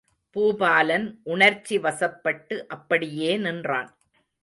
பூபாலன் உணர்ச்சி வசப்பட்டு அப்படியே நின்றான்.